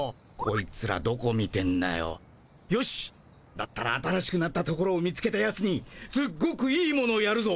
だったら新しくなったところを見つけたやつにすっごくいいものやるぞ。